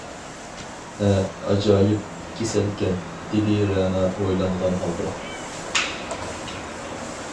-ھە، ئاجايىپ كېسەلكەن، -دېدى رەنا ئويلانغان ھالدا.